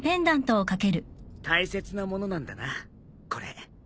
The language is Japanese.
大切なものなんだなこれ。